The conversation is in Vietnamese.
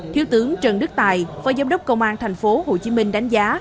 thiếu tướng trần đức tài phó giám đốc công an thành phố hồ chí minh đánh giá